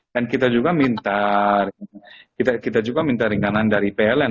dan kita juga minta ringanan dari pln